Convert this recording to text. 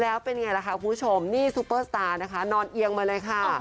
แล้วเป็นไงล่ะค่ะคุณผู้ชมนี่ซูเปอร์สตาร์นะคะนอนเอียงมาเลยค่ะ